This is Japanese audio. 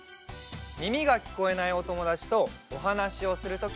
みみがきこえないおともだちとおはなしをするときや。